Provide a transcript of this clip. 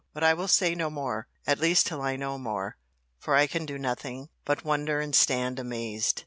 —But I will say no more: at least till I know more: for I can do nothing but wonder and stand amazed.